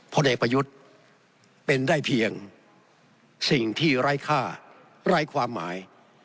พลเอกประยุทธ์เป็นได้เพียงสิ่งที่ไร้ค่าไร้ความหมาย